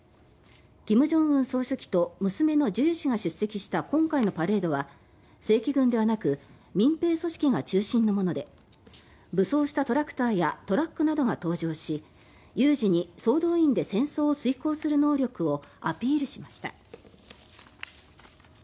金正恩総書記と娘のジュエ氏が出席した今回のパレードは正規軍ではなく民兵組織が中心のもので武装したトラクターやトラックなどが登場し有事に総動員で戦争を遂行する能力をアピールしました。